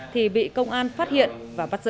thì bị công an phát hiện và bắt giữ